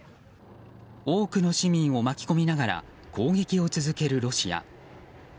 多くの市民を巻き込みながら攻撃を続けるロシア。